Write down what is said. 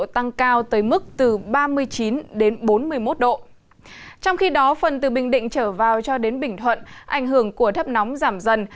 trong khi đó phần từ bình định trở vào cho đến bình thuận ảnh hưởng của thấp nóng giảm dần